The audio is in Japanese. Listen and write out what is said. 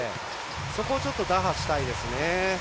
そこをちょっと打破したいですね。